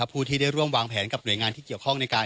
ผู้ที่ได้ร่วมวางแผนกับหน่วยงานที่เกี่ยวข้องในการ